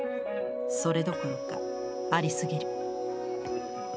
それどころかありすぎる」。